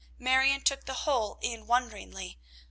Marion took the whole in wonderingly.